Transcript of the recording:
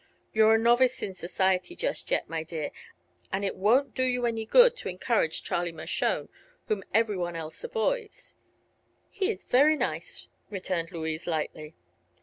You're a novice in society just yet, my dear, and it won't do you any good to encourage Charlie Mershone, whom everyone else avoids." "He's very nice," returned Louise, lightly.